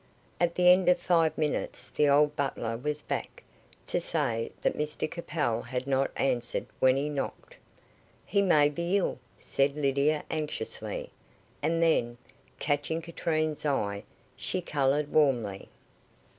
At the end of five minutes the old butler was back to say that Mr Capel had not answered when he knocked. "He may be ill," said Lydia anxiously, and then, catching Katrine's eye, she coloured warmly.